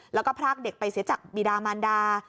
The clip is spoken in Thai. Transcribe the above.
แล้วก็พรากเด็กไปเสียจากบีดามันดา